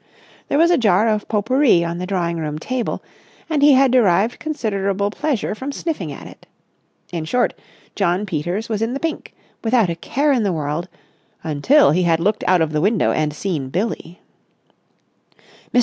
There was a jar of pot pourri on the drawing room table, and he had derived considerable pleasure from sniffing at it. In short, Jno. Peters was in the pink, without a care in the world, until he had looked out of the window and seen Billie. "Mr.